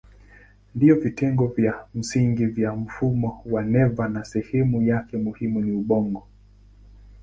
Ndiyo vitengo vya msingi vya mfumo wa neva na sehemu yake muhimu ni ubongo.